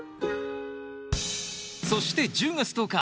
そして１０月１０日